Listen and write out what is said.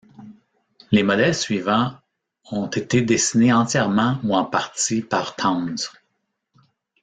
Les modèles suivants ont été dessinés entièrement ou en partie par Towns.